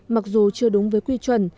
mặc dù chưa đúng với quy chuẩn